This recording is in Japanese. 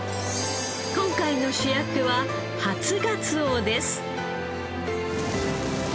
今回の主役は初がつおです。